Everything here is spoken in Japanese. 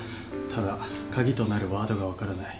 ただ鍵となるワードが分からない。